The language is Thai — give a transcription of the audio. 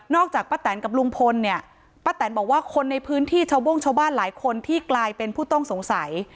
จากป้าแตนกับลุงพลเนี่ยป้าแตนบอกว่าคนในพื้นที่ชาวโบ้งชาวบ้านหลายคนที่กลายเป็นผู้ต้องสงสัย